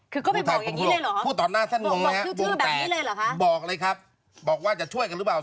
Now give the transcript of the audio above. คือเขาไปบอกอย่างนี้เลยเหรอบอกว่าจะช่วยกันหรือเปล่า